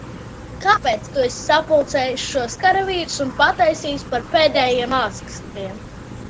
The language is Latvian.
Kāpēc tu esi sapulcējis šos karavīrus un pataisījis par pēdējiem ākstiem?